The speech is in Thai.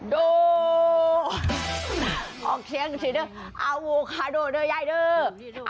โดออกเสียงเสียงด้วยอาวูคาโดด้วยยายด้วย